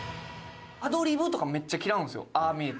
アドリブとかもめっちゃ嫌うんですよああ見えて。